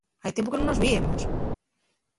Hai tiempu que nun nos víemos.